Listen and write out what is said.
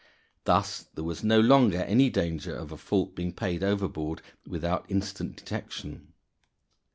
Thus there was no longer any danger of a fault being paid overboard without instant detection.